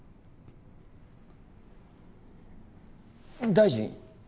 大臣？